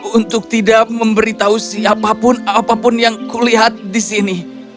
untuk tidak memberitahu siapapun apapun yang kulihat di sini